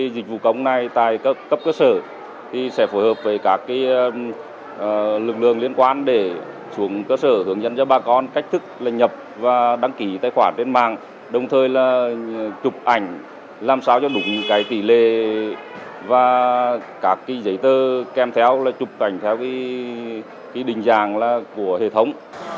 giấy tờ kèm theo là chụp cảnh theo cái đình dàng là của hệ thống